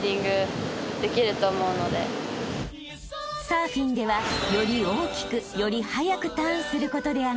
［サーフィンではより大きくより速くターンすることで上がる